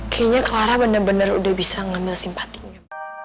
kayaknya clara bener bener udah bisa ngambil simpatinya